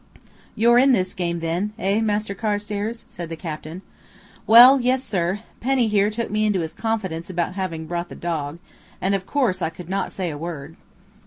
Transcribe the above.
"You're in this game, then, eh, Master Carstairs?" said the captain. "Well, yes, sir; Penny here took me into his confidence about having brought the dog, and of course I could not say a word."